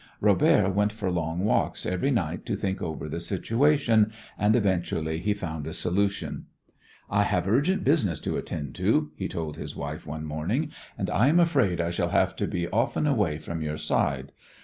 Robert went for long walks every night to think over the situation, and eventually he found a solution. "I have urgent business to attend to," he told his wife one morning, "and I am afraid I shall have to be often away from your side.